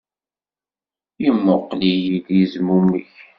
Yemmuqqel-iyi-d, yezmumeg.